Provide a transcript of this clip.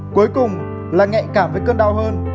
cuối cùng là nhạy cảm với cơn đau hơn